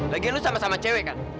bagian lu sama sama cewek kan